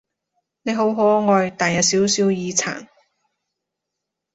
你好可愛，但有少少耳殘